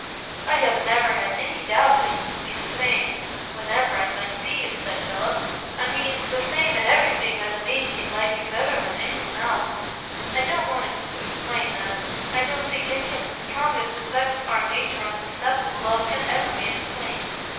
"I have never had any doubt that you would be the same, whenever I might see you," said Philip,—"I mean, the same in everything that made me like you better than any one else. I don't want to explain that; I don't think any of the strongest effects our natures are susceptible of can ever be explained.